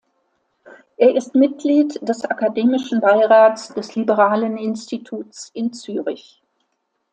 Er ist Mitglied des akademischen Beirats des Liberalen Instituts in Zürich.